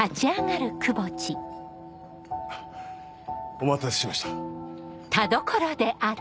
⁉お待たせしました。